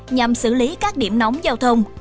nhằm xử lý các điểm nóng giao thông